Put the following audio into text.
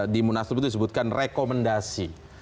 di munasutu disebutkan rekomendasi